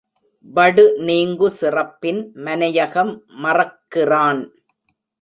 வடுநீங்கு சிறப்பின் மனையகம் மறக்கிறான்.